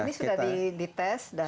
ini sudah di tes dan